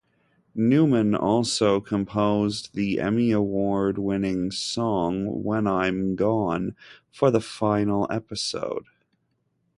Newman also composed the Emmy Award-winning song "When I'm Gone" for the final episode.